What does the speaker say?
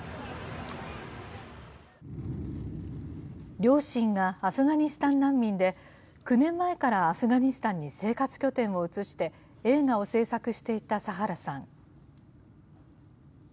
両親がアフガニスタン難民で、９年前からアフガニスタンに生活拠点を移して、映画を製作していたサハラさん。